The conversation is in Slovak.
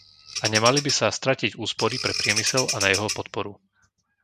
A nemali by sa stratiť úspory pre priemysel a na jeho podporu.